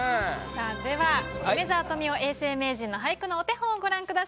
さあでは梅沢富美男永世名人の俳句のお手本をご覧ください。